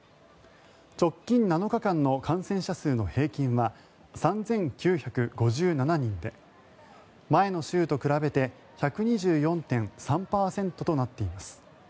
直近７日間の感染者数の平均は３９５７人で前の週と比べて１２４．３％となっています。